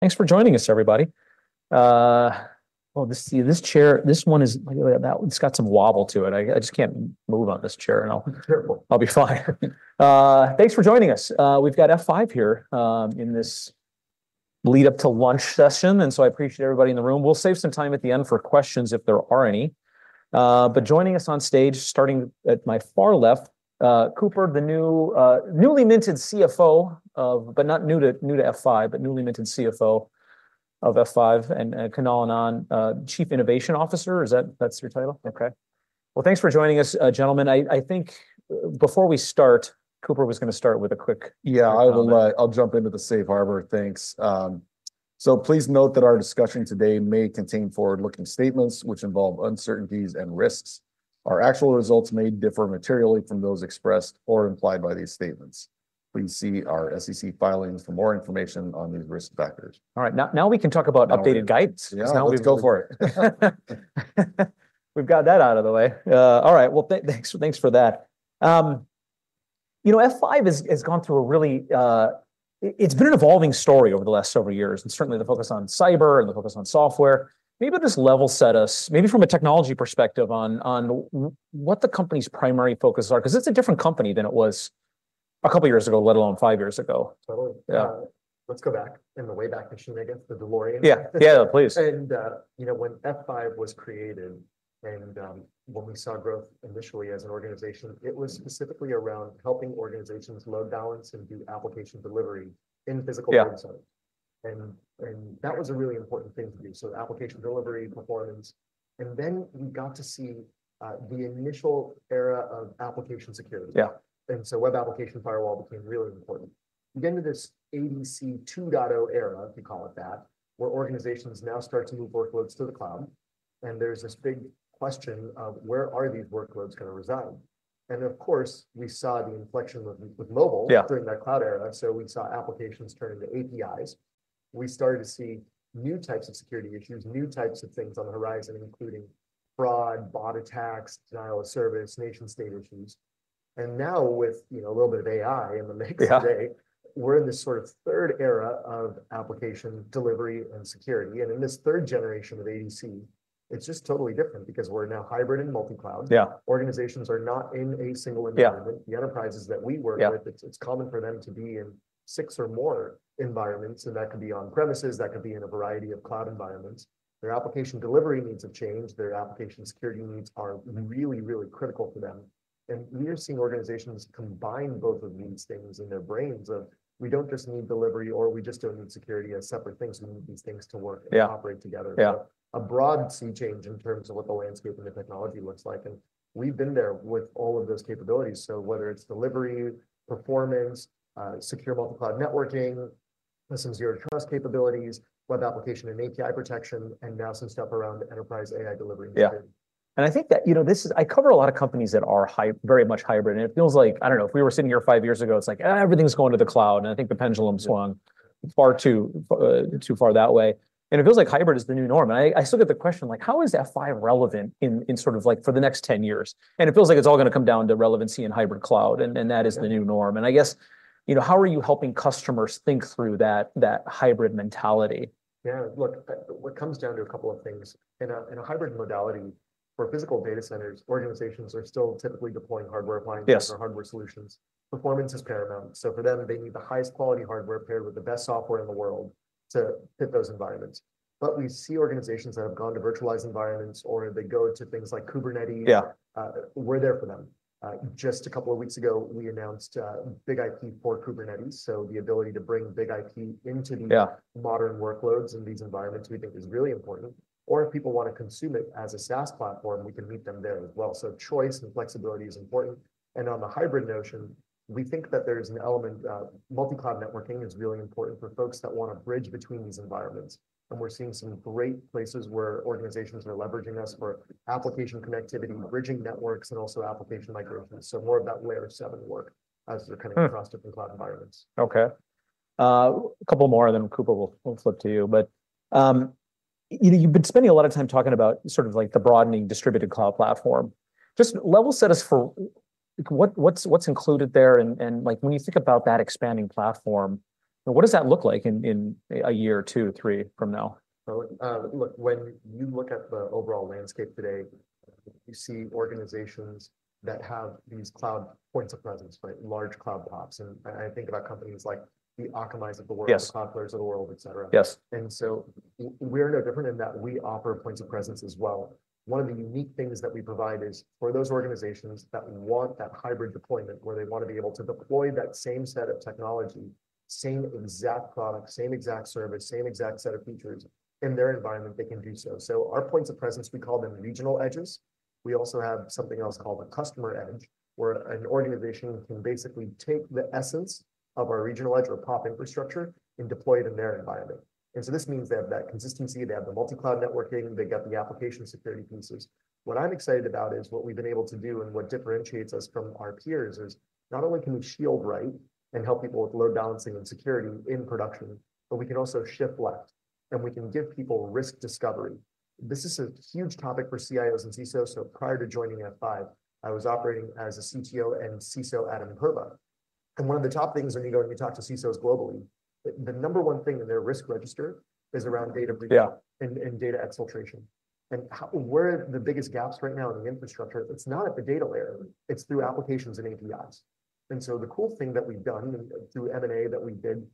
Thanks for joining us, everybody. Well, this chair, this one is; it's got some wobble to it. I just can't move on this chair, and I'll be fine. Thanks for joining us. We've got F5 here, in this lead-up to lunch session, and so I appreciate everybody in the room. We'll save some time at the end for questions if there are any, but joining us on stage, starting at my far left, Cooper, the new, newly minted CFO of, but not new to F5, but newly minted CFO of F5, and Kunal Anand, Chief Innovation Officer. Is that, that's your title? Okay, well, thanks for joining us, gentlemen. I think before we start, Cooper was going to start with a quick. Yeah, I will. I'll jump into the safe harbor. Thanks. So please note that our discussion today may contain forward-looking statements which involve uncertainties and risks. Our actual results may differ materially from those expressed or implied by these statements. Please see our SEC filings for more information on these risk factors. All right. Now we can talk about updated guidance. Yeah, let's go for it. We've got that out of the way. All right. Well, thanks for, thanks for that. You know, F5 has gone through a really, it's been an evolving story over the last several years, and certainly the focus on cyber and the focus on software. Maybe just level set us, maybe from a technology perspective on what the company's primary focuses are, because it's a different company than it was a couple years ago, let alone five years ago. Totally. Yeah. Let's go back in the Wayback Machine, I guess, the DeLorean. Yeah, yeah, please. And, you know, when F5 was created and when we saw growth initially as an organization, it was specifically around helping organizations load balance and do application delivery in physical websites. And that was a really important thing to do. So application delivery, performance. And then we got to see the initial era of application security. Yeah. And so web application firewall became really important. We get into this ADC 2.0 era, if you call it that, where organizations now start to move workloads to the cloud. And there's this big question of where are these workloads going to reside? And of course, we saw the inflection with mobile during that cloud era. So we saw applications turn into APIs. We started to see new types of security issues, new types of things on the horizon, including fraud, bot attacks, denial of service, nation-state issues. And now with, you know, a little bit of AI in the mix today, we're in this sort of third era of application delivery and security. And in this third generation of ADC, it's just totally different because we're now hybrid and multi-cloud. Yeah. Organizations are not in a single environment. The enterprises that we work with, it's common for them to be in six or more environments, and that could be on-premises, that could be in a variety of cloud environments. Their application delivery needs have changed. Their application security needs are really, really critical for them. And we are seeing organizations combine both of these things in their brains. We don't just need delivery or we just don't need security as separate things. We need these things to work and operate together. Yeah. A broad sea change in terms of what the landscape and the technology looks like, and we've been there with all of those capabilities, so whether it's delivery, performance, secure multi-cloud networking, some Zero Trust capabilities, web application and API protection, and now some stuff around enterprise AI delivery. Yeah. And I think that, you know, this is, I cover a lot of companies that are very much hybrid, and it feels like, I don't know, if we were sitting here five years ago, it's like, everything's going to the cloud, and I think the pendulum swung far too far that way, and it feels like hybrid is the new norm, and I still get the question, like, how is F5 relevant in sort of like for the next 10 years? And it feels like it's all going to come down to relevancy in hybrid cloud, and that is the new norm, and I guess, you know, how are you helping customers think through that hybrid mentality? Yeah, look, what comes down to a couple of things. In a hybrid modality for physical data centers, organizations are still typically deploying hardware appliances or hardware solutions. Performance is paramount. So for them, they need the highest quality hardware paired with the best software in the world to fit those environments, but we see organizations that have gone to virtualized environments, or they go to things like Kubernetes. Yeah. We're there for them. Just a couple of weeks ago, we announced BIG-IP for Kubernetes. So the ability to bring BIG-IP into these modern workloads and these environments we think is really important. Or if people want to consume it as a SaaS platform, we can meet them there as well. So choice and flexibility is important. And on the hybrid notion, we think that there's an element. Multi-cloud networking is really important for folks that want to bridge between these environments. And we're seeing some great places where organizations are leveraging us for application connectivity, bridging networks, and also application migrations. So more of that layer seven work as they're coming across different cloud environments. Okay. A couple more and then Cooper will flip to you. But, you know, you've been spending a lot of time talking about sort of like the broadening distributed cloud platform. Just level set us for what's included there and like when you think about that expanding platform, what does that look like in a year, two, three from now? Look, when you look at the overall landscape today, you see organizations that have these cloud points of presence, right? Large cloud PoPs, and I think about companies like the Akamai of the world, the Cloudflares of the world, et cetera. Yes. And so we're no different in that we offer points of presence as well. One of the unique things that we provide is for those organizations that want that hybrid deployment where they want to be able to deploy that same set of technology, same exact product, same exact service, same exact set of features in their environment, they can do so. So our points of presence, we call them Regional Edges. We also have something else called a Customer Edge where an organization can basically take the essence of our regional edge or pop infrastructure and deploy it in their environment. And so this means they have that consistency, they have the multi-cloud networking, they've got the application security pieces. What I'm excited about is what we've been able to do and what differentiates us from our peers is not only can we shield, right, and help people with load balancing and security in production, but we can also shift left and we can give people risk discovery. This is a huge topic for CIOs and CISOs, so prior to joining F5, I was operating as a CTO and CISO at Imperva, and one of the top things when you go and you talk to CISOs globally, the number one thing in their risk register is around data breach and data exfiltration, and where are the biggest gaps right now in the infrastructure? It's not at the data layer. It's through applications and APIs. And so the cool thing that we've done through M&A that we did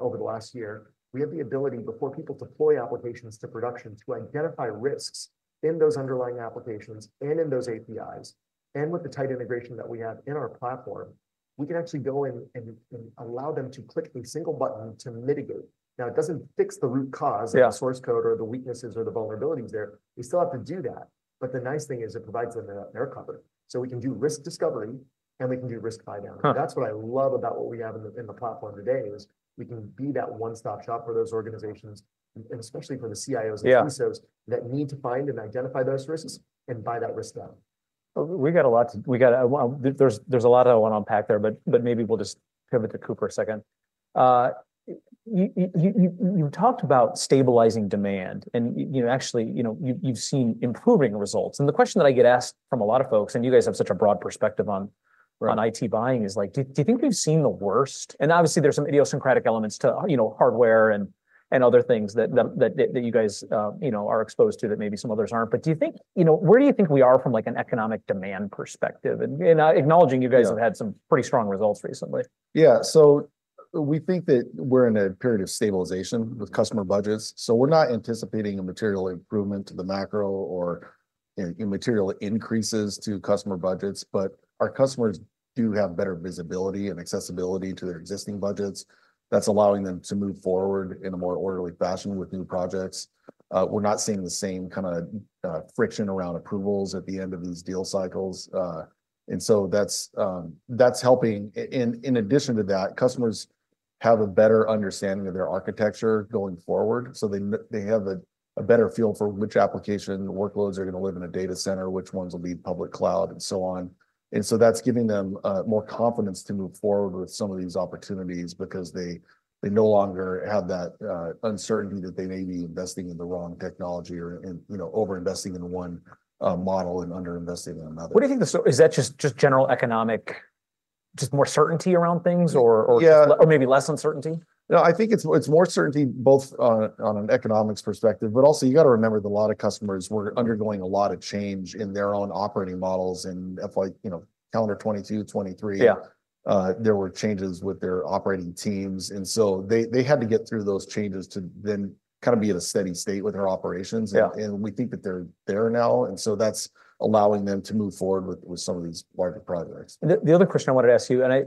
over the last year, we have the ability before people deploy applications to production to identify risks in those underlying applications and in those APIs. And with the tight integration that we have in our platform, we can actually go in and allow them to click a single button to mitigate. Now, it doesn't fix the root cause of the source code or the weaknesses or the vulnerabilities there. We still have to do that. But the nice thing is it provides them that they're covered. So we can do risk discovery and we can do risk buy down. And that's what I love about what we have in the platform today is we can be that one-stop shop for those organizations, and especially for the CIOs and CISOs that need to find and identify those risks and buy that risk down. There's a lot I want to unpack there, but maybe we'll just pivot to Cooper a second. You talked about stabilizing demand and, you know, actually, you know, you've seen improving results. And the question that I get asked from a lot of folks, and you guys have such a broad perspective on IT buying is like, do you think we've seen the worst? And obviously there's some idiosyncratic elements to, you know, hardware and other things that you guys, you know, are exposed to that maybe some others aren't. But do you think, you know, where do you think we are from like an economic demand perspective? And acknowledging you guys have had some pretty strong results recently. Yeah. So we think that we're in a period of stabilization with customer budgets. So we're not anticipating a material improvement to the macro or immaterial increases to customer budgets, but our customers do have better visibility and accessibility to their existing budgets. That's allowing them to move forward in a more orderly fashion with new projects. We're not seeing the same kind of, friction around approvals at the end of these deal cycles. And so that's helping. In addition to that, customers have a better understanding of their architecture going forward. So they have a better feel for which application workloads are going to live in a data center, which ones will be public cloud and so on. And so that's giving them more confidence to move forward with some of these opportunities because they, they no longer have that, uncertainty that they may be investing in the wrong technology or, you know, over-investing in one, model and under-investing in another. What do you think? Is that just general economic, just more certainty around things or maybe less uncertainty? No, I think it's more certainty both on an economics perspective, but also you got to remember that a lot of customers were undergoing a lot of change in their own operating models in F5, you know, calendar 2022, 2023. Yeah. There were changes with their operating teams, and so they had to get through those changes to then kind of be at a steady state with their operations, and we think that they're there now, and so that's allowing them to move forward with some of these larger projects. The other question I wanted to ask you, and I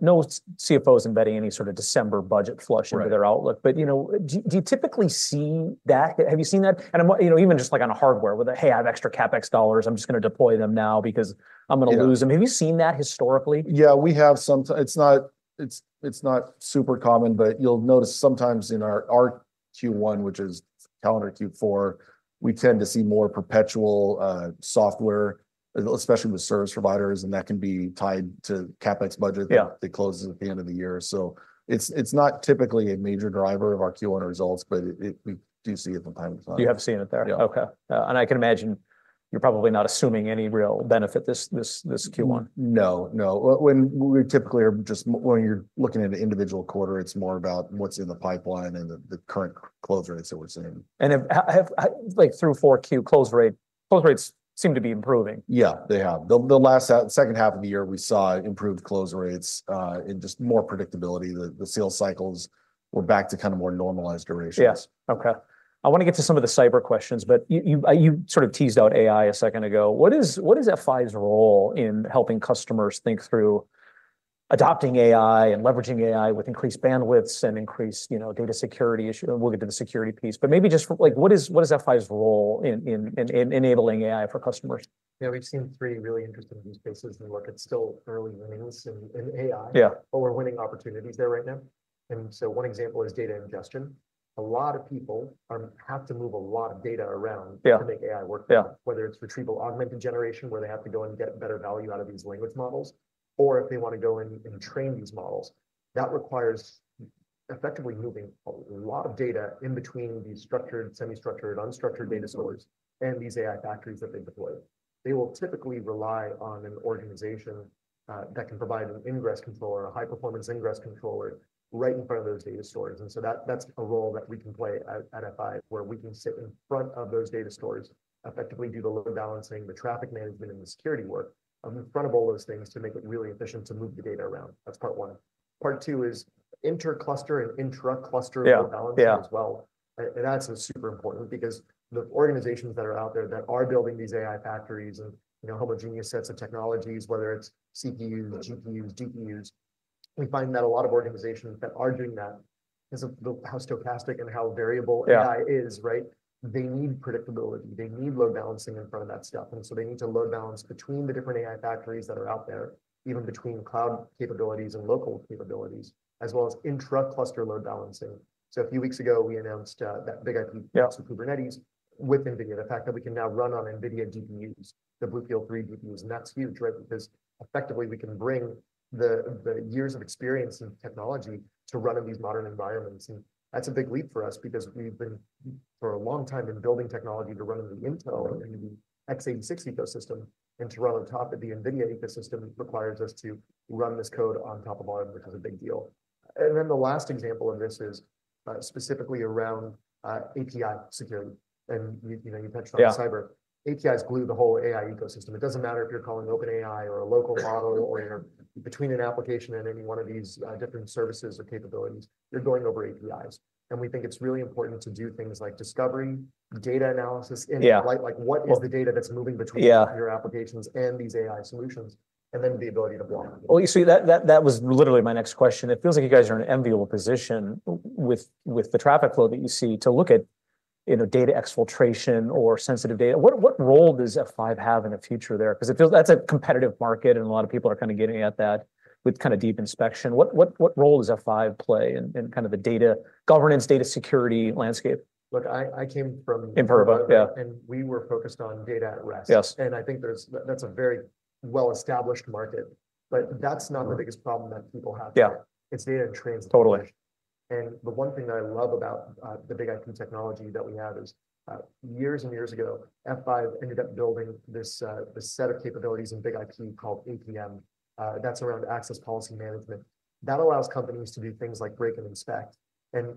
know CFOs embedding any sort of December budget flush into their outlook, but, you know, do you typically see that? Have you seen that? And I'm, you know, even just like on a hardware with, hey, I have extra CapEx dollars. I'm just going to deploy them now because I'm going to lose them. Have you seen that historically? Yeah, we have sometimes. It's not super common, but you'll notice sometimes in our Q1, which is calendar Q4. We tend to see more perpetual software, especially with service providers, and that can be tied to CapEx budget that closes at the end of the year. So it's not typically a major driver of our Q1 results, but we do see it from time to time. You have seen it there? Yeah. Okay, and I can imagine you're probably not assuming any real benefit this Q1. No, no. When you're looking at an individual quarter, it's more about what's in the pipeline and the current close rates that we're seeing. Have like through four Q close rate, close rates seem to be improving? Yeah, they have. The last second half of the year, we saw improved close rates, and just more predictability. The sales cycles were back to kind of more normalized durations. Yes. Okay. I want to get to some of the cyber questions, but you sort of teased out AI a second ago. What is F5's role in helping customers think through adopting AI and leveraging AI with increased bandwidths and increased, you know, data security issues? We'll get to the security piece, but maybe just like, what is F5's role in enabling AI for customers? Yeah, we've seen three really interesting use cases in the market. Still early wins in AI, but we're winning opportunities there right now. And so one example is data ingestion. A lot of people have to move a lot of data around to make AI work better, whether it's retrieval augmented generation, where they have to go and get better value out of these language models, or if they want to go in and train these models, that requires effectively moving a lot of data in between these structured, semi-structured, unstructured data stores and these AI factories that they deploy. They will typically rely on an organization that can provide an ingress controller, a high performance ingress controller right in front of those data stores. And so that, that's a role that we can play at F5 where we can sit in front of those data stores, effectively do the load balancing, the traffic management, and the security work in front of all those things to make it really efficient to move the data around. That's part one. Part two is intercluster and intracluster load balancing as well. And that's super important because the organizations that are out there that are building these AI factories and, you know, homogeneous sets of technologies, whether it's CPUs, GPUs, we find that a lot of organizations that are doing that, because of how stochastic and how variable AI is, right? They need predictability. They need load balancing in front of that stuff. And so they need to load balance between the different AI factories that are out there, even between cloud capabilities and local capabilities, as well as intracluster load balancing. So a few weeks ago, we announced that BIG-IP for Kubernetes with NVIDIA, the fact that we can now run on NVIDIA GPUs, the BlueField-3 GPUs. And that's huge, right? Because effectively we can bring the years of experience in technology to run in these modern environments. And that's a big leap for us because we've been for a long time in building technology to run in the Intel and the x86 ecosystem and to run on top of the NVIDIA ecosystem requires us to run this code on top of ARM, which is a big deal. And then the last example of this is specifically around API security. And you touched on cyber. APIs glue the whole AI ecosystem. It doesn't matter if you're calling OpenAI or a local model or between an application and any one of these different services or capabilities, you're going over APIs. And we think it's really important to do things like discovery, data analysis, and, like, what is the data that's moving between your applications and these AI solutions, and then the ability to block. You see that was literally my next question. It feels like you guys are in an enviable position with the traffic flow that you see to look at, you know, data exfiltration or sensitive data. What role does F5 have in the future there? Because it feels that's a competitive market and a lot of people are kind of getting at that with kind of deep inspection. What role does F5 play in kind of the data governance, data security landscape? Look, I came from Imperva and we were focused on data at rest. I think there's a very well-established market, but that's not the biggest problem that people have. It's data in transit. The one thing that I love about the BIG-IP technology that we have is years and years ago, F5 ended up building this set of capabilities in BIG-IP called APM. That's around access policy management. That allows companies to do things like break and inspect.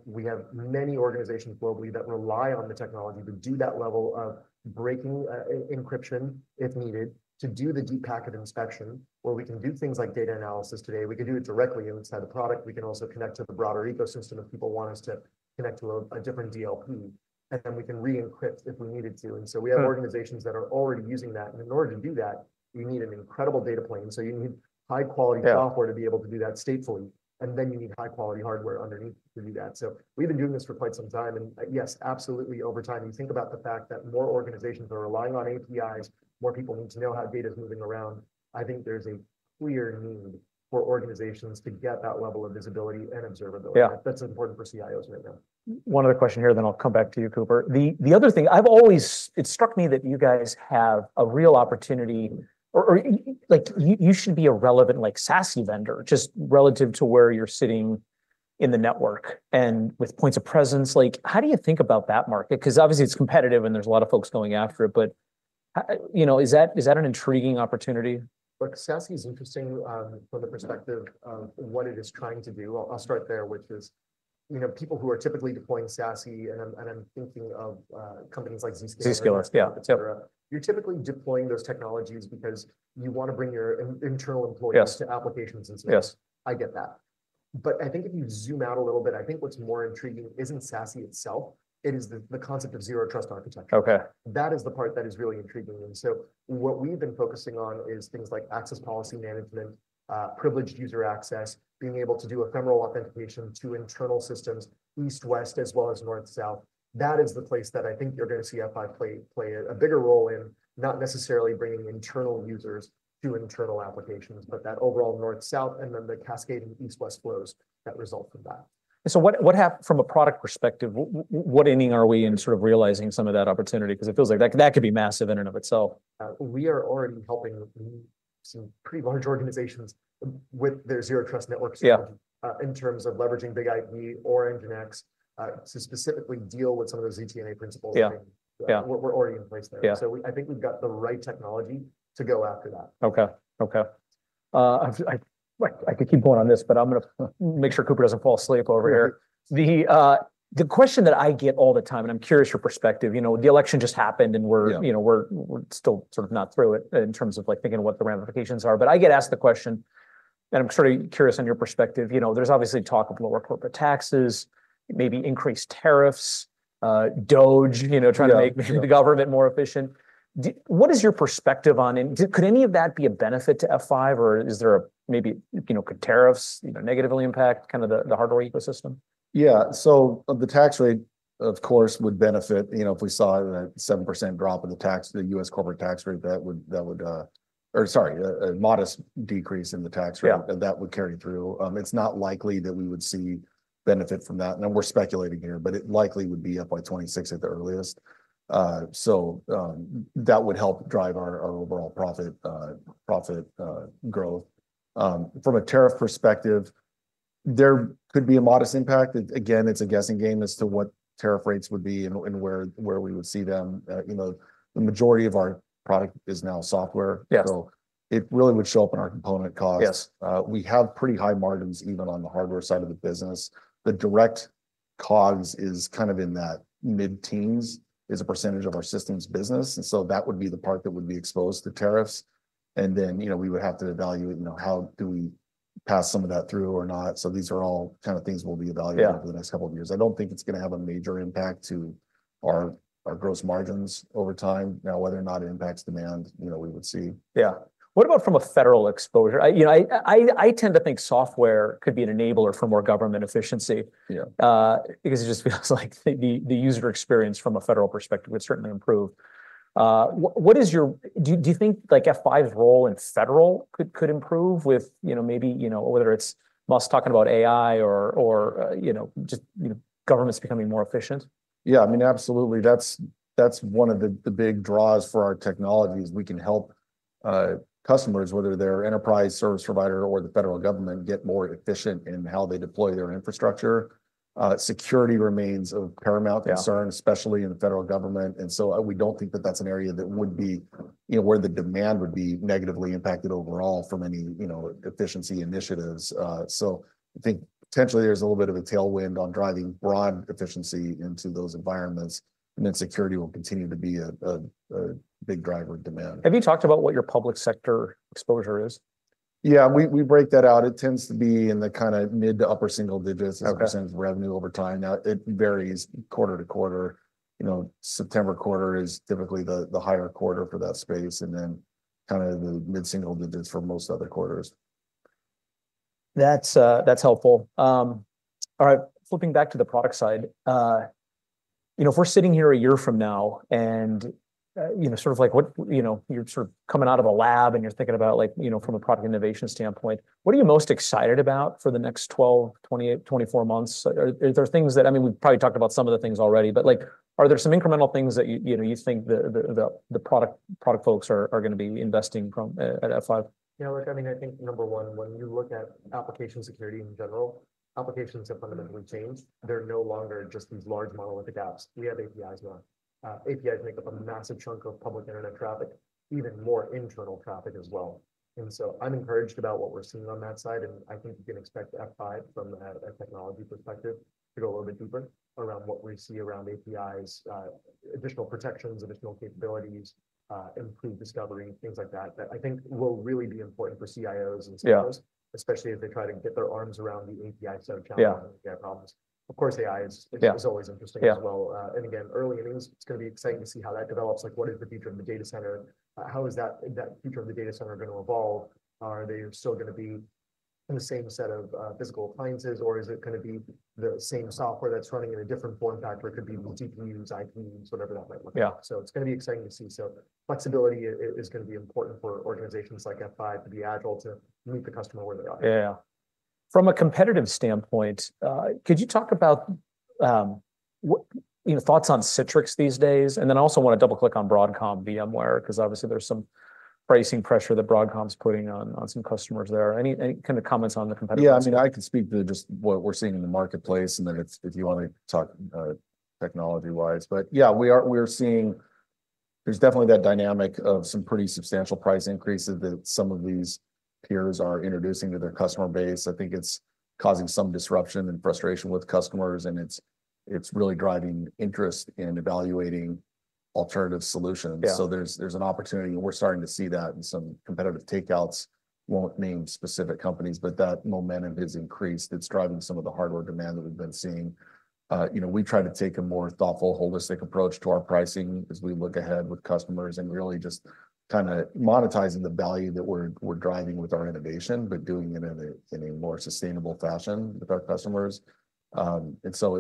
We have many organizations globally that rely on the technology to do that level of breaking encryption if needed to do the deep packet inspection where we can do things like data analysis today. We can do it directly inside the product. We can also connect to the broader ecosystem if people want us to connect to a different DLP. And then we can re-encrypt if we needed to. And so we have organizations that are already using that. And in order to do that, you need an incredible data plane. So you need high quality software to be able to do that statefully. And then you need high quality hardware underneath to do that. So we've been doing this for quite some time. And yes, absolutely over time. You think about the fact that more organizations are relying on APIs, more people need to know how data is moving around. I think there's a clear need for organizations to get that level of visibility and observability. That's important for CIOs right now. One other question here, then I'll come back to you, Cooper. The other thing I've always, it struck me that you guys have a real opportunity or like you should be a relevant like SASE vendor just relative to where you're sitting in the network and with points of presence. Like how do you think about that market? Because obviously it's competitive and there's a lot of folks going after it, but you know, is that, is that an intriguing opportunity? Look, SASE is interesting from the perspective of what it is trying to do. I'll start there, which is, you know, people who are typically deploying SASE and I'm thinking of companies like Zscaler, et cetera. You're typically deploying those technologies because you want to bring your internal employees to applications and services. I get that. But I think if you zoom out a little bit, I think what's more intriguing isn't SASE itself. It is the concept of zero trust architecture. That is the part that is really intriguing, and so what we've been focusing on is things like access policy management, privileged user access, being able to do ephemeral authentication to internal systems, east, west, as well as north, south. That is the place that I think you're going to see F5 play a bigger role in not necessarily bringing internal users to internal applications, but that overall north, south, and then the cascading east, west flows that result from that. So what happened from a product perspective? What inning are we in, sort of realizing some of that opportunity? Because it feels like that, that could be massive in and of itself. We are already helping some pretty large organizations with their Zero Trust network strategy in terms of leveraging BIG-IP or NGINX to specifically deal with some of those ZTNA principles we're already in place there. So I think we've got the right technology to go after that. Okay. Okay. I could keep going on this, but I'm going to make sure Cooper doesn't fall asleep over here. The question that I get all the time, and I'm curious your perspective, you know, the election just happened and we're, you know, we're still sort of not through it in terms of like thinking of what the ramifications are, but I get asked the question and I'm sort of curious on your perspective, you know, there's obviously talk of lower corporate taxes, maybe increased tariffs, DOGE, you know, trying to make the government more efficient. What is your perspective on, and could any of that be a benefit to F5 or is there a maybe, you know, could tariffs, you know, negatively impact kind of the hardware ecosystem? Yeah. So the tax rate, of course, would benefit, you know, if we saw a 7% drop in the tax, the U.S. corporate tax rate, that would, or sorry, a modest decrease in the tax rate that would carry through. It's not likely that we would see benefit from that. And we're speculating here, but it likely would be up by 2026 at the earliest. So that would help drive our overall profit growth. From a tariff perspective, there could be a modest impact. Again, it's a guessing game as to what tariff rates would be and where we would see them. You know, the majority of our product is now software. So it really would show up in our component costs. We have pretty high margins even on the hardware side of the business. The direct cause is kind of in that mid-teens% is a percentage of our systems business. And so that would be the part that would be exposed to tariffs. And then, you know, we would have to evaluate, you know, how do we pass some of that through or not. So these are all kind of things we'll be evaluating over the next couple of years. I don't think it's going to have a major impact to our gross margins over time. Now, whether or not it impacts demand, you know, we would see. Yeah. What about from a federal exposure? You know, I tend to think software could be an enabler for more government efficiency because it just feels like the user experience from a federal perspective would certainly improve. Do you think like F5's role in federal could improve with, you know, maybe, you know, whether it's Musk talking about AI or, you know, just, you know, governments becoming more efficient? Yeah, I mean, absolutely. That's one of the big draws for our technology is we can help customers, whether they're enterprise service provider or the federal government, get more efficient in how they deploy their infrastructure. Security remains of paramount concern, especially in the federal government. And so we don't think that that's an area that would be, you know, where the demand would be negatively impacted overall from any, you know, efficiency initiatives. So I think potentially there's a little bit of a tailwind on driving broad efficiency into those environments. And then security will continue to be a big driver of demand. Have you talked about what your public sector exposure is? Yeah, we break that out. It tends to be in the kind of mid- to upper-single digits as a % of revenue over time. Now it varies quarter to quarter. You know, September quarter is typically the higher quarter for that space and then kind of the mid-single digits for most other quarters. That's helpful. All right. Flipping back to the product side, you know, if we're sitting here a year from now and, you know, sort of like what, you know, you're sort of coming out of a lab and you're thinking about like, you know, from a product innovation standpoint, what are you most excited about for the next 12, 28, 24 months? Are there things that, I mean, we've probably talked about some of the things already, but like, are there some incremental things that you, you know, you think the product folks are going to be investing from at F5? Yeah, look, I mean, I think number one, when you look at application security in general, applications have fundamentally changed. They're no longer just these large monolithic apps. We have APIs now. APIs make up a massive chunk of public internet traffic, even more internal traffic as well. And so I'm encouraged about what we're seeing on that side. And I think you can expect F5 from a technology perspective to go a little bit deeper around what we see around APIs, additional protections, additional capabilities, improved discovery, things like that, that I think will really be important for CIOs and CISOs, especially as they try to get their arms around the API side of challenges and API problems. Of course, AI is always interesting as well. And again, early innings, it's going to be exciting to see how that develops. Like what is the future of the data center? How is that future of the data center going to evolve? Are they still going to be in the same set of physical appliances or is it going to be the same software that's running in a different form factor? It could be GPUs, IPs, whatever that might look like. So it's going to be exciting to see. So flexibility is going to be important for organizations like F5 to be agile to meet the customer where they're at. Yeah. From a competitive standpoint, could you talk about, you know, thoughts on Citrix these days? And then I also want to double click on Broadcom VMware, because obviously there's some pricing pressure that Broadcom is putting on some customers there. Any kind of comments on the competitive? Yeah, I mean, I can speak to just what we're seeing in the marketplace and then if you want to talk technology wise. But yeah, we are seeing there's definitely that dynamic of some pretty substantial price increases that some of these peers are introducing to their customer base. I think it's causing some disruption and frustration with customers and it's really driving interest in evaluating alternative solutions. So there's an opportunity and we're starting to see that in some competitive takeouts. Won't name specific companies, but that momentum has increased. It's driving some of the hardware demand that we've been seeing. You know, we try to take a more thoughtful, holistic approach to our pricing as we look ahead with customers and really just kind of monetizing the value that we're driving with our innovation, but doing it in a more sustainable fashion with our customers. And so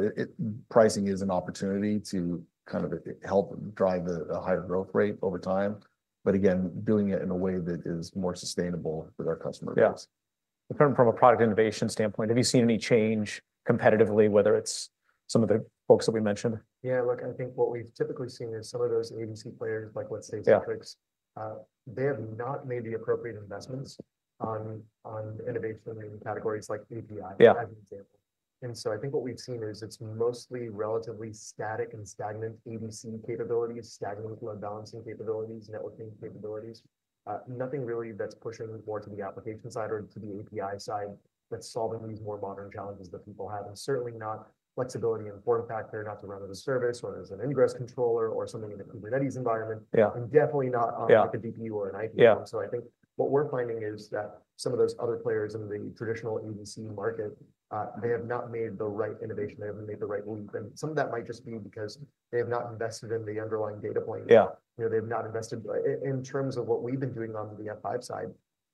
pricing is an opportunity to kind of help drive a higher growth rate over time. But again, doing it in a way that is more sustainable with our customers. Yeah. From a product innovation standpoint, have you seen any change competitively, whether it's some of the folks that we mentioned? Yeah, look. I think what we've typically seen is some of those legacy players, like let's say Citrix. They have not made the appropriate investments on innovation in categories like API, as an example. And so I think what we've seen is it's mostly relatively static and stagnant ADC capabilities, stagnant load balancing capabilities, networking capabilities. Nothing really that's pushing more to the application side or to the API side that's solving these more modern challenges that people have. And certainly not flexibility in form factor, not to run as a service or as an ingress controller or something in a Kubernetes environment. And definitely not on like a GPU or an ARM. So I think what we're finding is that some of those other players in the traditional ADC market, they have not made the right innovation. They haven't made the right leap. And some of that might just be because they have not invested in the underlying data plane. You know, they've not invested in terms of what we've been doing on the F5 side.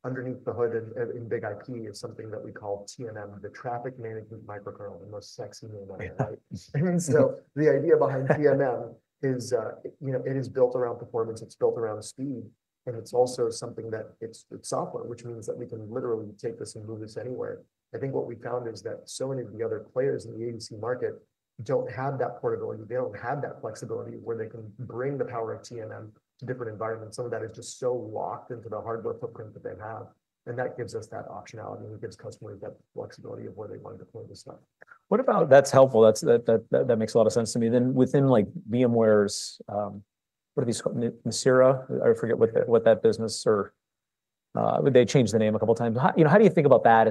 Underneath the hood in BIG-IP is something that we call TMM, the Traffic Management Microkernel, the most sexy name on it, right? And so the idea behind TMM is, you know, it is built around performance. It's built around speed. And it's also something that it's software, which means that we can literally take this and move this anywhere. I think what we found is that so many of the other players in the ADC market don't have that portability. They don't have that flexibility where they can bring the power of TMM to different environments. Some of that is just so locked into the hardware footprint that they have. That gives us that optionality and gives customers that flexibility of where they want to deploy this stuff. What about? That's helpful. That makes a lot of sense to me. Then within like VMware's, what are these, Nicira? I forget what that business, or they changed the name a couple of times. You know, how do you think about that?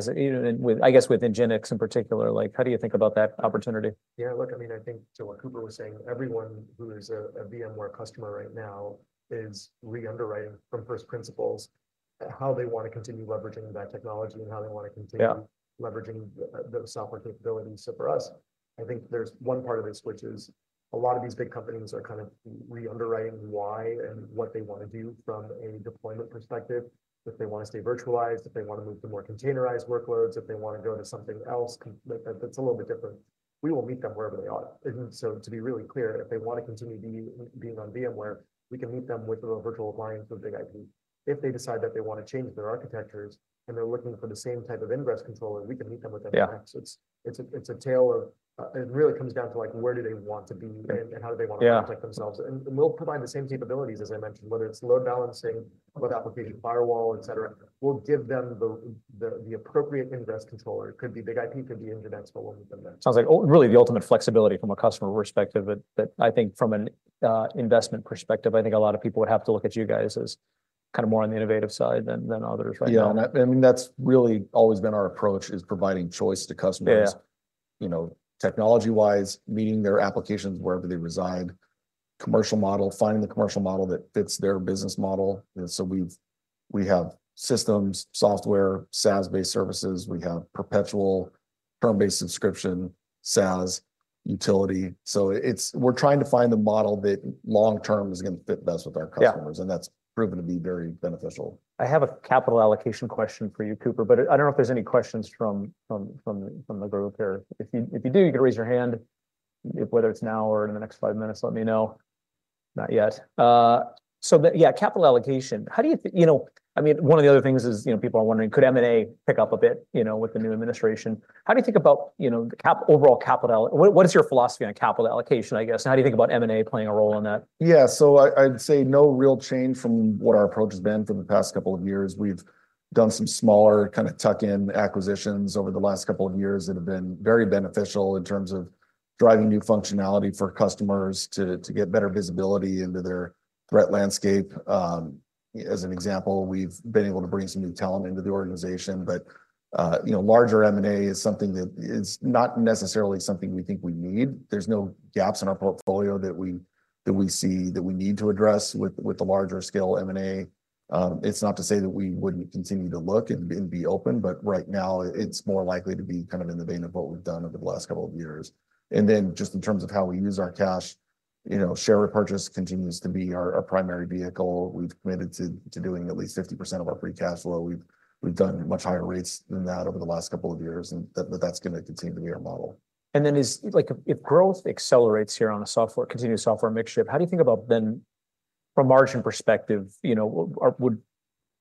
I guess with NGINX in particular, like how do you think about that opportunity? Yeah, look, I mean, I think to what Cooper was saying, everyone who is a VMware customer right now is re-underwriting from first principles how they want to continue leveraging that technology and how they want to continue leveraging those software capabilities. So for us, I think there's one part of it, which is a lot of these big companies are kind of re-underwriting why and what they want to do from a deployment perspective. If they want to stay virtualized, if they want to move to more containerized workloads, if they want to go to something else that's a little bit different, we will meet them wherever they are. And so to be really clear, if they want to continue being on VMware, we can meet them with a virtual appliance with BIG-IP. If they decide that they want to change their architectures and they're looking for the same type of ingress controller, we can meet them with that. It's a tale of; it really comes down to like where do they want to be and how do they want to protect themselves. We'll provide the same capabilities, as I mentioned, whether it's load balancing, web application firewall, et cetera. We'll give them the appropriate ingress controller. It could be BIG-IP, it could be NGINX, but we'll meet them there. Sounds like really the ultimate flexibility from a customer perspective, but I think from an investment perspective, I think a lot of people would have to look at you guys as kind of more on the innovative side than others right now. Yeah, and I mean, that's really always been our approach is providing choice to customers. You know, technology wise, meeting their applications wherever they reside, commercial model, finding the commercial model that fits their business model. So we have systems, software, SaaS-based services. We have perpetual term-based subscription, SaaS, utility. So we're trying to find the model that long-term is going to fit best with our customers. And that's proven to be very beneficial. I have a capital allocation question for you, Cooper, but I don't know if there's any questions from the group here. If you do, you can raise your hand, whether it's now or in the next five minutes. Let me know. Not yet. So yeah, capital allocation. How do you, you know, I mean, one of the other things is, you know, people are wondering, could M&A pick up a bit, you know, with the new administration? How do you think about, you know, the overall capital allocation? What is your philosophy on capital allocation, I guess? And how do you think about M&A playing a role in that? Yeah, so I'd say no real change from what our approach has been for the past couple of years. We've done some smaller kind of tuck-in acquisitions over the last couple of years that have been very beneficial in terms of driving new functionality for customers to get better visibility into their threat landscape. As an example, we've been able to bring some new talent into the organization, but you know, larger M&A is something that is not necessarily something we think we need. There's no gaps in our portfolio that we see that we need to address with the larger scale M&A. It's not to say that we wouldn't continue to look and be open, but right now it's more likely to be kind of in the vein of what we've done over the last couple of years. And then just in terms of how we use our cash, you know, share repurchase continues to be our primary vehicle. We've committed to doing at least 50% of our free cash flow. We've done much higher rates than that over the last couple of years, and that's going to continue to be our model. And then like if growth accelerates here on a software, continued software mixture, how do you think about then from margin perspective, you know, would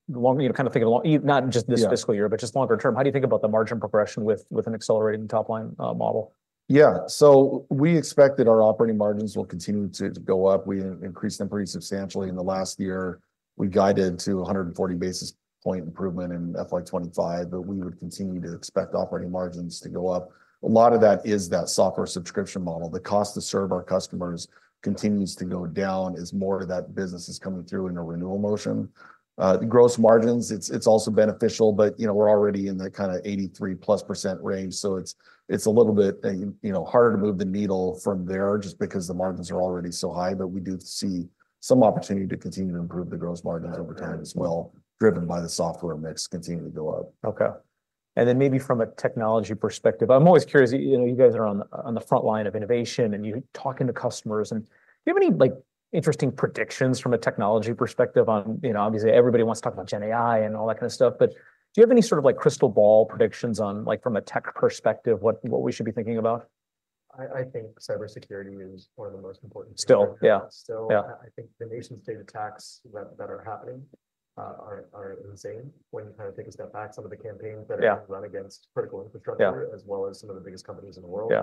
you know kind of think of not just this fiscal year, but just longer term, how do you think about the margin progression with an accelerating top line model? Yeah, so we expect that our operating margins will continue to go up. We increased them pretty substantially in the last year. We guided to 140 basis point improvement in FY25, but we would continue to expect operating margins to go up. A lot of that is that software subscription model. The cost to serve our customers continues to go down as more of that business is coming through in a renewal motion. The gross margins, it's also beneficial, but you know, we're already in the kind of 83 plus % range. So it's a little bit, you know, harder to move the needle from there just because the margins are already so high, but we do see some opportunity to continue to improve the gross margins over time as well, driven by the software mix continuing to go up. Okay. And then maybe from a technology perspective, I'm always curious, you know, you guys are on the front line of innovation and you talking to customers, and do you have any like interesting predictions from a technology perspective on, you know, obviously everybody wants to talk about GenAI and all that kind of stuff, but do you have any sort of like crystal ball predictions on like from a tech perspective, what we should be thinking about? I think cybersecurity is one of the most important. Still, yeah. Still, I think the nation-state attacks that are happening are insane. When you kind of take a step back, some of the campaigns that are run against critical infrastructure, as well as some of the biggest companies in the world,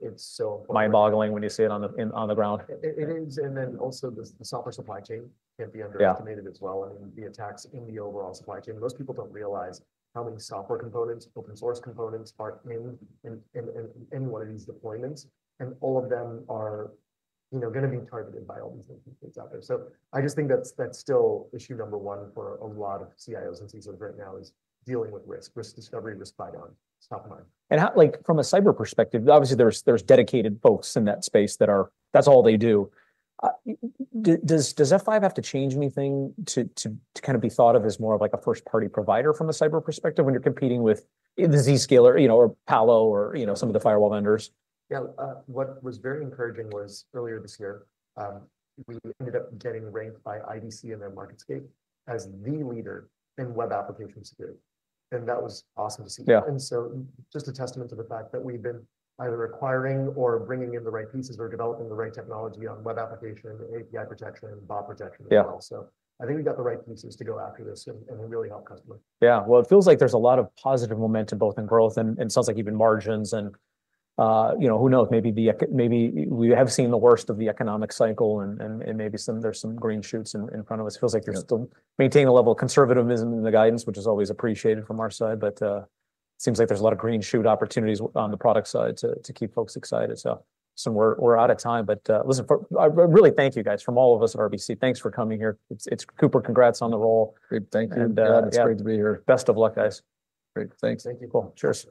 it's so important. Mind-boggling when you see it on the ground. It is, and then also the software supply chain can be underestimated as well. I mean, the attacks in the overall supply chain, most people don't realize how many software components, open source components are in one of these deployments, and all of them are, you know, going to be targeted by all these different things out there. So I just think that's still issue number one for a lot of CIOs and CISOs right now is dealing with risk, risk discovery, risk buy down. It's top of mind. Like from a cyber perspective, obviously there's dedicated folks in that space that are. That's all they do. Does F5 have to change anything to kind of be thought of as more of like a first party provider from a cyber perspective when you're competing with the Zscaler, you know, or Palo or, you know, some of the firewall vendors? Yeah, what was very encouraging was earlier this year, we ended up getting ranked by IDC and their MarketScape as the leader in web application security. And that was awesome to see. And so just a testament to the fact that we've been either acquiring or bringing in the right pieces or developing the right technology on web application, API protection, bot protection as well. So I think we've got the right pieces to go after this and really help customers. Yeah, well, it feels like there's a lot of positive momentum both in growth and it sounds like even margins and, you know, who knows, maybe we have seen the worst of the economic cycle and maybe there's some green shoots in front of us. It feels like you're still maintaining a level of conservatism in the guidance, which is always appreciated from our side, but it seems like there's a lot of green shoot opportunities on the product side to keep folks excited. So we're out of time, but listen, I really thank you guys from all of us at RBC. Thanks for coming here. It's Cooper, congrats on the role. Great, thank you. It's great to be here. Best of luck, guys. Great, thanks. Thank you both. Cool. Cheers.